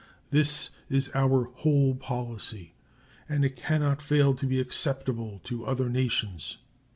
This is our whole policy, and it can not fail to be acceptable to other nations.